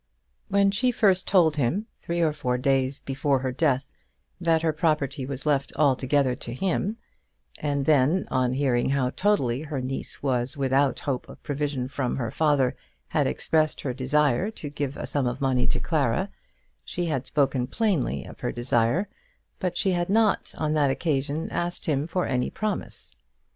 When she first told him, three or four days before her death, that her property was left altogether to him, and then, on hearing how totally her niece was without hope of provision from her father, had expressed her desire to give a sum of money to Clara, she had spoken plainly of her desire; but she had not on that occasion asked him for any promise.